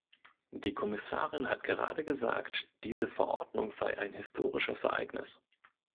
Die Kommissarin hat gerade gesagt, diese Verordnung sei ein historisches Ereignis.